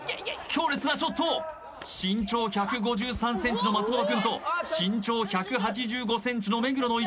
強烈なショット身長１５３ｃｍの松本くんと身長１８５ｃｍの目黒の